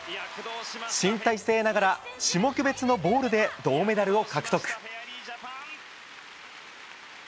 新体制ながら種目別のボールで銅メダルを獲得。